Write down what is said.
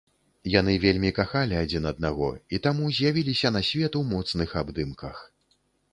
Яны вельмі кахалі адзін аднаго і таму з'явіліся на свет у моцных абдымках.